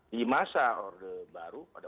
di masa orde baru pada